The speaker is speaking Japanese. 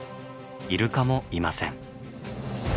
イルカもいません。